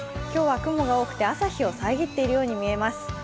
今日は雲が多くて朝日を遮っているように見えます。